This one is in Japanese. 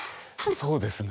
そうですね。